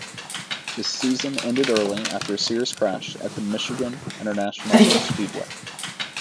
His season ended early after a serious crash at Michigan International Speedway.